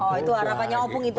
oh itu harapannya opung itu